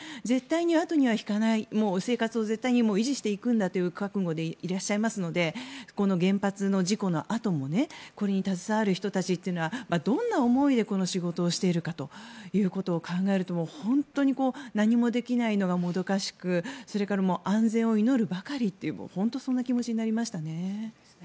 絶対にあとには引かない生活を絶対に維持していくんだという覚悟でいらっしゃいますのでこの原発の事故のあともこれに携わる人たちというのはどんな思いでこの仕事をしているかということを考えると本当に何もできないのがもどかしく安全を祈るばかりという気持ちになりましたね。